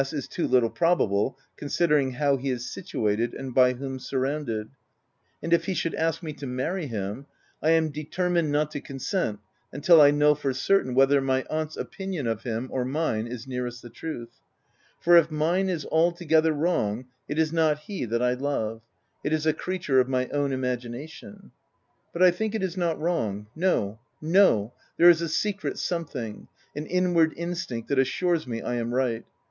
is too little probable, considering how he is situated, and by whom surrounded), and if he should ask me to marry him, — I am determined not to con sent until I know for certain whether my aunt's 318 THE TENANT opinion of him or mine is nearest the truth ; for if mine is altogether wrong, it is not he that I love ; it is a creature of my own imagination. But I think it is not wrong — no, no — there is a secret something — an inward instinct that assures me I am right.